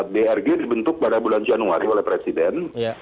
drg dibentuk pada bulan januari oleh presiden